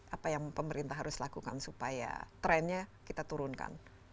apa yang pemerintah harus lakukan supaya trennya kita turunkan